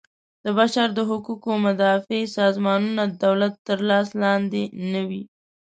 د بشر د حقوقو مدافع سازمانونه د دولت تر لاس لاندې نه وي.